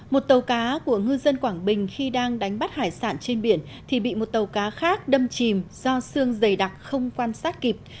một tàu cá của ngư dân quảng bình khi đang đánh bắt hải sản trên biển thì bị một tàu cá khác đâm chìm do sương dày đặc không quan sát kịp